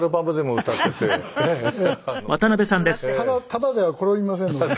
ただでは転びませんので。